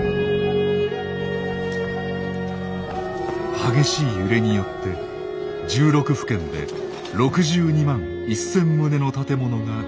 激しい揺れによって１６府県で６２万１，０００棟の建物が全壊。